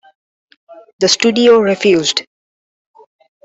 The studio refused.